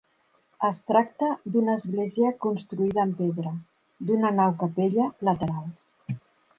Es tracta d'una església construïda amb pedra, d'una nau capella laterals.